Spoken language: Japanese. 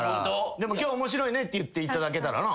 でも今日面白いねって言っていただけたらな。